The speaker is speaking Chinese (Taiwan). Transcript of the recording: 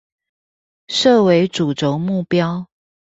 設為主軸目標